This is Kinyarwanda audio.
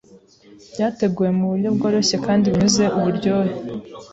byateguwe mu buryo bworoshye kandi bunyuze uburyohe.